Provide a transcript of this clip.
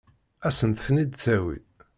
Ad sent-ten-id-tawi?